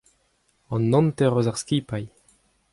An hanter eus ar skipailh.